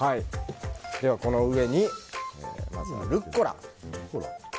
この上に、まずはルッコラ。